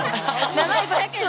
名前５００円で。